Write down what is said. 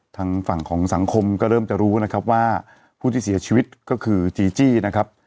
ทางฝั่งของสังคมก็เริ่มจะรู้นะครับว่าผู้ที่เสียชีวิตก็คือจีจี้นะครับ